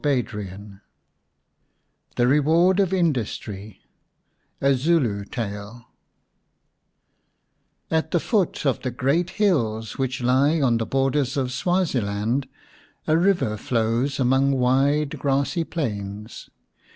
150 XIII THE REWARD OF INDUSTRY A ZULU TALE AT the foot of the great hills which lie on the borders of Swaziland a river flows among wide grassy plains.